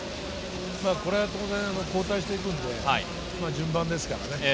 これは当然交代していくんで、順番ですからね。